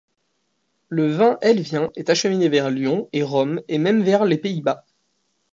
Le vin helvien est acheminé vers Lyon et Rome et même vers les Pays-Bas.